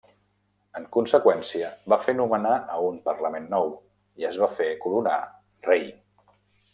En conseqüència, va fer nomenar a un parlament nou, i es va fer coronar rei.